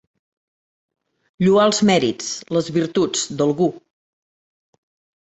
Lloar els mèrits, les virtuts, d'algú.